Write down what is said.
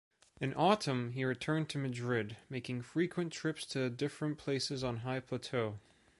In autumn he returned to Madrid, making frequent trips to different places on high plateau.